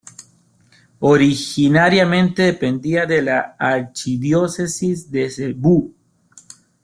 Originariamente dependía de la Archidiócesis de Cebú.